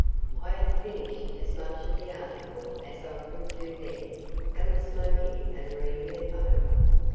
I had finished as much of the article as I could do then and was smoking and reading it over.